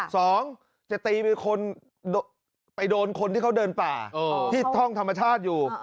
สองจะตีไปคนไปโดนคนที่เขาเดินป่าที่ท่องธรรมชาติอยู่